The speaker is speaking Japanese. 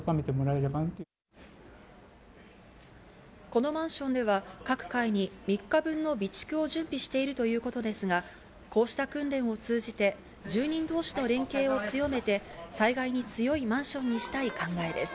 このマンションでは各階に３日分の備蓄を準備しているということですが、こうした訓練を通じて、住人同士の連携を強めて災害に強いマンションにしたい考えです。